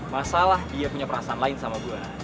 masalah dia punya perasaan lain sama buah